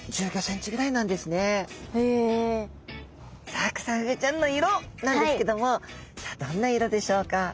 さあクサフグちゃんの色なんですけどもさあどんな色でしょうか？